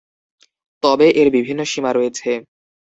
তবে, এর বিভিন্ন সীমা রয়েছে।